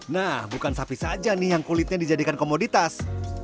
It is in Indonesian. nah bukan sapi saja nih yang kulitnya dijadikan komoditas